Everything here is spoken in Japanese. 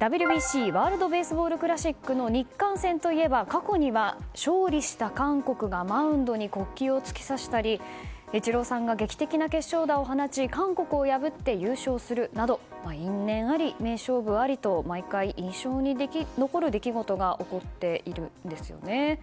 ＷＢＣ・ワールド・ベースボール・クラシックの日韓戦といえば過去には勝利した韓国がマウンドに国旗を突き刺したりイチローさんが劇的な決勝打を放ち韓国を破って優勝するなど因縁あり、名勝負ありと毎回、印象に残る出来事が起こっているんですよね。